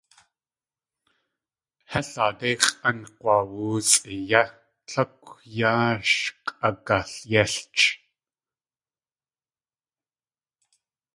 Hél aadé x̲ʼank̲waawóosʼi yé, tlákw yaa sh k̲ʼagalyélch.